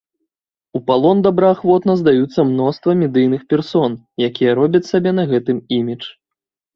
У палон добраахвотна здаюцца мноства медыйных персон, якія робяць сабе на гэтым імідж.